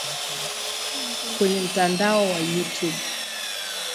kwenye mtandao wa Youtube